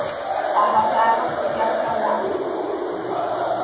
A határok gyakran változtak.